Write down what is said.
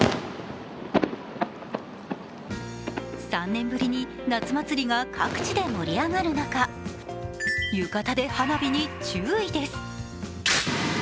３年ぶりに夏祭りが各地で盛り上がる中、浴衣で花火に注意です。